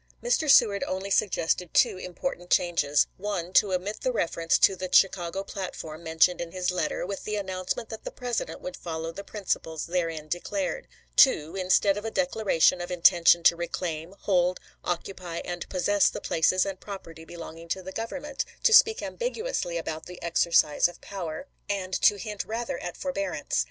1 Mr. Seward only suggested two important changes: (1) To omit the reference to the Chi cago platform mentioned in his letter, with the announcement that the President would follow the principles therein declared. (2) Instead of a declaration of intention to reclaim, hold, occupy, and possess the places and property belonging to the Government, to speak ambiguously about the exercise of power, and to hint rather at forbear ance.